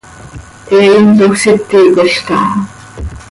He hinloj síticol caha.